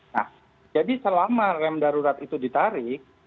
nah jadi selama rem darurat itu ditarik